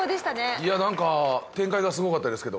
いやなんか展開がすごかったですけど。